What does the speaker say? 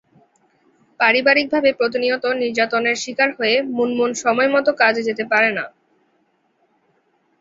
পারিবারিকভাবে প্রতিনিয়ত নির্যাতনের শিকার হয়ে মুনমুন সময়মতো কাজে যেতে পারে না।